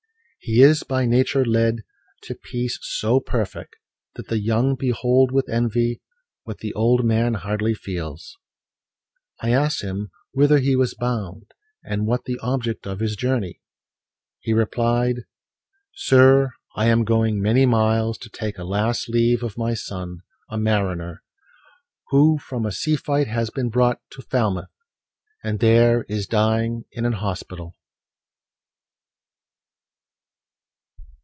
He is by nature led To peace so perfect, that the young behold With envy, what the old man hardly feels. —I asked him whither he was bound, and what The object of his journey; he replied "Sir! I am going many miles to take A last leave of my son, a mariner, Who from a sea fight has been brought to Falmouth, And there is dying in an hospital."